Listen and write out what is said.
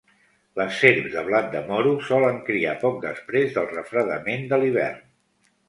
Les serps de blat de moro solen criar poc després del refredament de l'hivern.